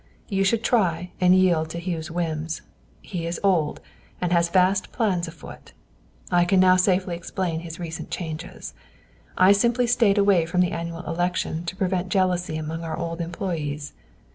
You should try and yield to Hugh's whims. He is old, and has vast plans afoot. I can now safely explain his recent changes. I simply staid away from the annual election to prevent jealousy among our old employees.